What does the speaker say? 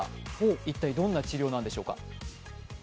一体どんな治療なんでしょうか。